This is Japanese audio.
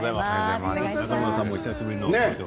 中村さんもお久しぶりで。